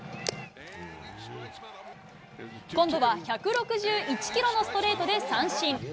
今度は１６１キロのストレートで三振。